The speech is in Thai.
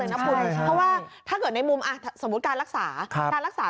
เพราะว่าถ้าเกิดในมุมสมมุติการรักษาการรักษา